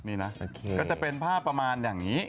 นี่นะก็จะเป็นภาพประมาณอย่างนี้